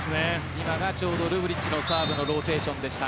今が、ちょうどルブリッチのサーブのローテーションでした。